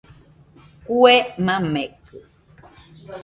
Kue makekɨ